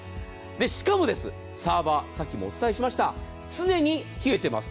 しかも、サーバーさっきもお伝えしました常に冷えてます。